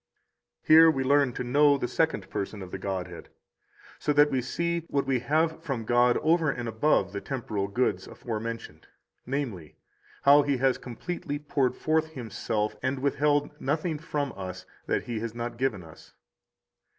26 Here we learn to know the Second Person of the Godhead, so that we see what we have from God over and above the temporal goods aforementioned; namely, how He has completely poured forth Himself and withheld nothing from us that He has not given us.